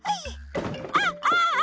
あっああ